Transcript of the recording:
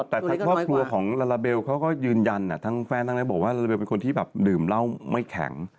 แต่ทั้งครอบครัวของลาลาเบลเขาก็ยืนยันทั้งแฟนทั้งนั้นบอกว่าลาลาเบลเป็นคนที่แบบดื่มเหล้าไม่แข็ง